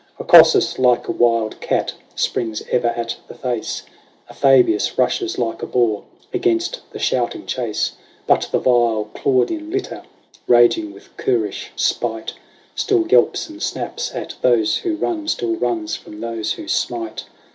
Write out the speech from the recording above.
A Cossus, like a wild cat, springs ever at the face ; A Fabius rushes like a boar against the shouting chase ; But the vile Claudian litter, raging with currish spite. Still yelps and snaps at those who run, still runs from those who smite.